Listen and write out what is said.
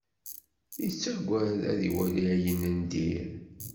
Yettagad ad iwali ayen n dir.